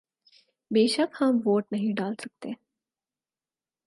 بے شک ہم ووٹ نہیں ڈال سکتے